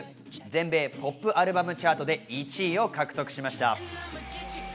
全米ポップアルバムチャートで１位を獲得しました。